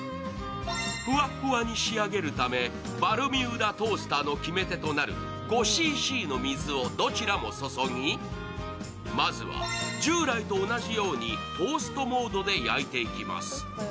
ふわっふわに仕上げるため、ＢＡＬＭＵＤＡトースターの決め手となる５ｃｃの水をどちらも注ぎ、まずは従来と同じようにトーストモードで焼いていきます。